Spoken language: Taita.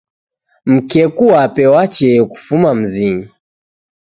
Mkeku wape wachee kufuma mzinyi.